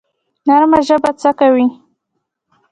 نرمه ژبه څه کوي؟